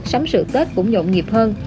sắm sửa tết cũng nhộn nhịp hơn